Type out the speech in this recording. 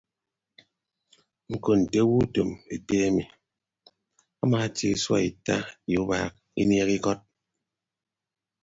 Ñko nte owo utom ete emi amaatie isua ita ye ubaak inieehe ikọt.